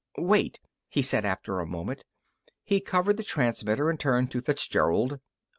"Wait!" he said after a moment. He covered the transmitter and turned to Fitzgerald.